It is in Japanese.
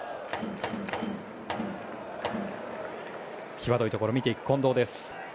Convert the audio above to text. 際どいところを見ていった近藤。